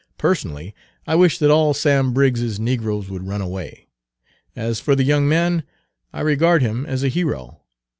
Personally I wish that all Sam Briggs's negroes would run away. As for the young man, I regard him as a hero.